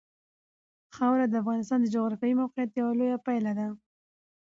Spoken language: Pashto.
خاوره د افغانستان د جغرافیایي موقیعت یوه لویه پایله ده.